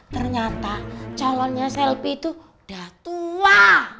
ternyata calonnya selpi itu udah tua